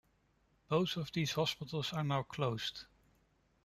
Both of these hospitals are now closed.